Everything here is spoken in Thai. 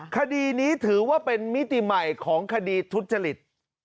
คดีนี้ถือว่าเป็นมิติใหม่ของคดีทุจริต